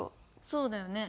そうだよね。